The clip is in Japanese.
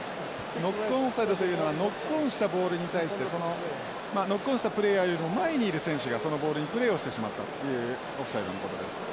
ノックオンオフサイドというのはノックオンしたボールに対してそのノックオンしたプレーヤーよりも前にいる選手がそのボールにプレーをしてしまったというオフサイドのことです。